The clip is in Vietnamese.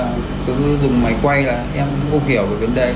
sau đó có một đồng chí công an cứ dùng máy quay là em cũng không hiểu